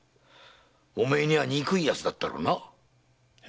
おめえには憎い奴だったろうな？